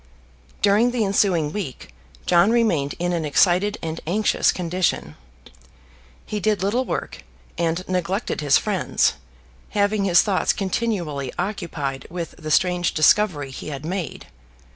During the ensuing week John remained in an excited and anxious condition. He did little work, and neglected his friends, having his thoughts continually occupied with the strange discovery he had made.